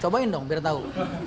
cobain dong biar tau